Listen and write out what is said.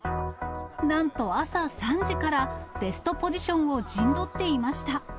なんと朝３時から、ベストポジションを陣取っていました。